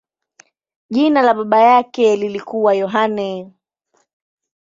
Jina la baba yake lilikuwa Yohane.